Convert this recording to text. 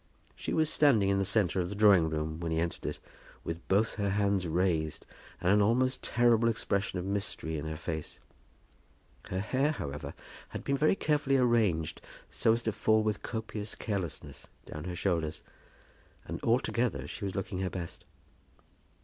She was standing in the centre of the drawing room when he entered it, with both her hands raised, and an almost terrible expression of mystery in her face. Her hair, however, had been very carefully arranged so as to fall with copious carelessness down her shoulders, and altogether she was looking her best.